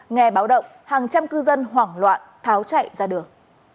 nghe báo động hàng trăm cư dân hoảng loạn tháo chạy ra đường